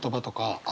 あ！